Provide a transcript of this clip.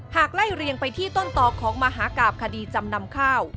ไล่เรียงไปที่ต้นต่อของมหากราบคดีจำนำข้าว